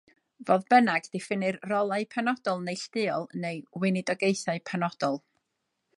Fodd bynnag diffinnir rolau penodol neilltuol neu "weinidogaethau penodol".